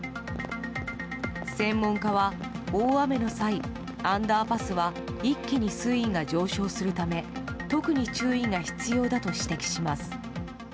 専門家は、大雨の際アンダーパスは一気に水位が上昇するため特に注意が必要だと指摘します。